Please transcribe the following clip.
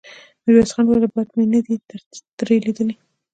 ميرويس خان وويل: بد مې نه دې ترې ليدلي.